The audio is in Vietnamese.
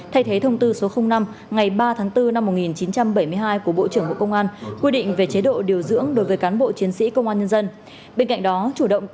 thay thế thông tư số năm ngày ba tháng bốn năm một nghìn chín trăm bảy mươi hai của bộ trưởng bộ công an quy định về chế độ điều dưỡng đối với cán bộ chiến sĩ công an nhân dân